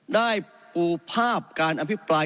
ได้ปูภาพการอภิปราย